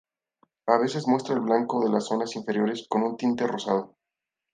A veces muestra el blanco de las zonas inferiores con un tinte rosado.